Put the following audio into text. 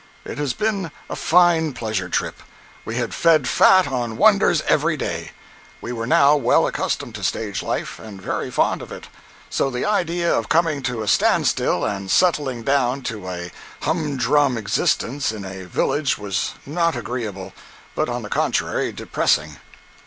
It had been a fine pleasure trip; we had fed fat on wonders every day; we were now well accustomed to stage life, and very fond of it; so the idea of coming to a stand still and settling down to a humdrum existence in a village was not agreeable, but on the contrary depressing.